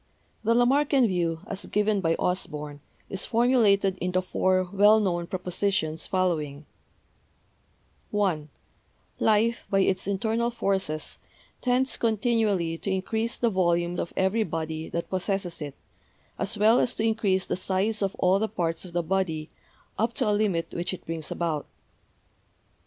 The Lamarckian view, as given by Osborn, is formu lated in the four well known propositions following: (1) Life, by its internal forces, tends continually to increase the volume of every body that possesses it, as well as to increase the size of all the parts of the body up to a limit which it brings about.